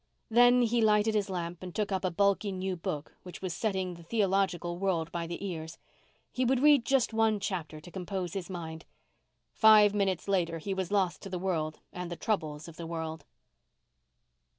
Then he lighted his lamp and took up a bulky new book which was setting the theological world by the ears. He would read just one chapter to compose his mind. Five minutes later he was lost to the world and the troubles of the world.